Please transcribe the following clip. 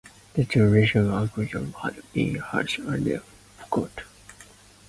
The two Russian occupations had been harsh and were not easily forgotten.